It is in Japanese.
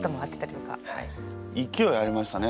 いきおいありましたね